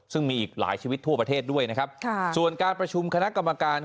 ซึ่งมีอีกหลายชีวิตทั่วประเทศด้วยนะครับค่ะส่วนการประชุมคณะกรรมการ